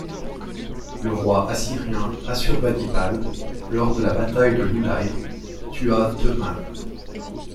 Le roi assyrien Assurbanipal, lors de la Bataille de l'Ulai, tua Teumman.